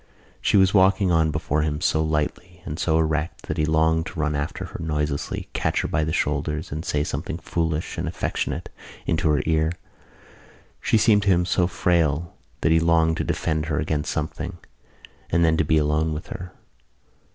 She was walking on before him so lightly and so erect that he longed to run after her noiselessly, catch her by the shoulders and say something foolish and affectionate into her ear. She seemed to him so frail that he longed to defend her against something and then to be alone with her.